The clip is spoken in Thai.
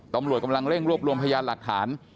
ตำรวจกำลังเร่งรวบรวมพยานหลักฐาน